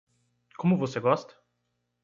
Como você gosta?